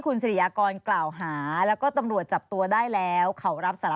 คุณศรียากรได้ถามตำรวจไหมคะ